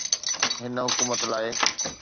هن حڪومت لاءِ.